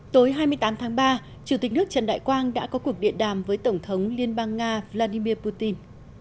tối hai mươi tám tháng ba chủ tịch nước trần đại quang đã có cuộc điện đàm với tổng thống liên bang nga vladimir putin